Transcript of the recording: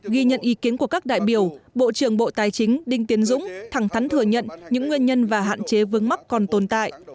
ghi nhận ý kiến của các đại biểu bộ trưởng bộ tài chính đinh tiến dũng thẳng thắn thừa nhận những nguyên nhân và hạn chế vương mắc còn tồn tại